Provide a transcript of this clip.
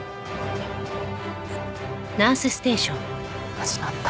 始まった。